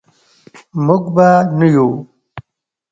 موږ به نه یو.